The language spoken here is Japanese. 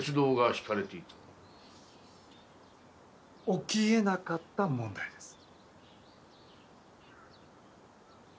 起きえなかった問題です。